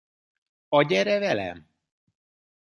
A Gyere velem!